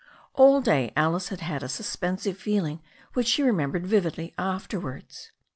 All day Alice had had a suspensive feeling which she remembered vividly afterwards.